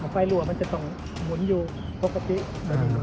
ไฟรั่วมันจะต้องหมุนอยู่ปกติ